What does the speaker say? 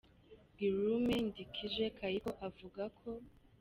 Guillaume Ndjike Kaiko, avuga ko